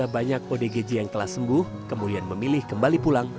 banyak odgj yang telah sembuh kemudian memilih kembali pulang